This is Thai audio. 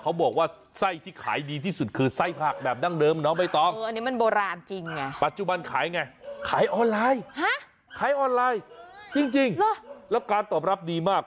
อ้าวส่วนอีกหนึ่งไส้เป็นไส้เผือกครับ